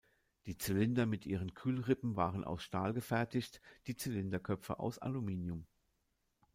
Die Zylinder mit ihren Kühlrippen waren aus Stahl gefertigt, die Zylinderköpfe aus Aluminium.